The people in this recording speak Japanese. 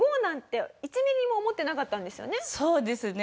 そうですね。